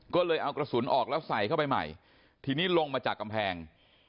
ก็เลยเอากระสุนออกแล้วใส่เข้าไปใหม่ทีนี้ลงมาจากกำแพง